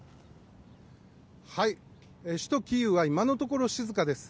首都キーウは今のところ静かです。